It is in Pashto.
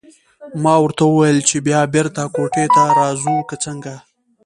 ما ورته وویل چې بیا بېرته کوټې ته راځو که څنګه.